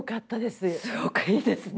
すごくいいですね。